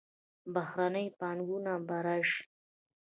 بهرنۍ پانګونه به راشي.